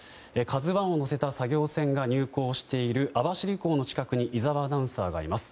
「ＫＡＺＵ１」を乗せた作業船が入港している網走港の近くに井澤アナウンサーがいます。